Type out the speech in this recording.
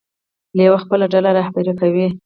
لیوه خپله ډله رهبري کوي.